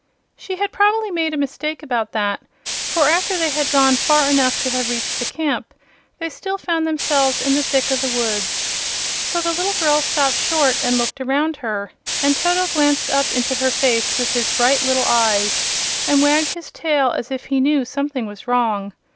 She had probably made a mistake about that, for after they had gone far enough to have reached the camp they still found themselves in the thick of the woods. So the little girl stopped short and looked around her, and Toto glanced up into her face with his bright little eyes and wagged his tail as if he knew something was wrong.